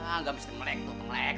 enggak mesti melek tuh melek